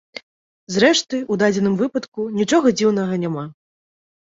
Зрэшты, у дадзеным выпадку нічога дзіўнага няма.